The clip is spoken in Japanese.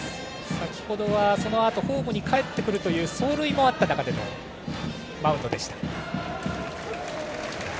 先程はそのあとホームにかえってくるという走塁もあった中でのマウンドでした。